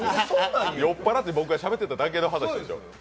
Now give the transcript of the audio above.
酔っ払って僕がしゃべってただけの話ですやん。